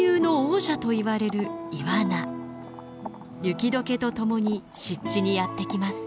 雪解けとともに湿地にやって来ます。